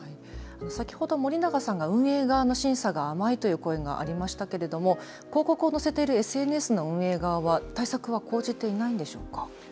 先ほど森永さんが運営側の審査が甘いという声がありましたけども広告を載せているＳＮＳの運営側は、対策は講じていないんでしょうか。